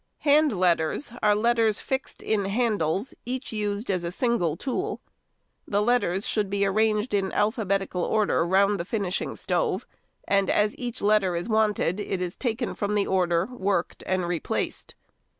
Hand letters are letters fixed in handles, each used as a single tool. The letters should be arranged in alphabetical order round the finishing stove, and as each letter is wanted it is taken from the order, worked, and replaced.